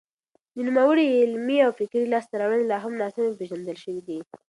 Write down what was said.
د نوموړي علمي او فکري لاسته راوړنې لا هم ناسمې پېژندل شوې دي.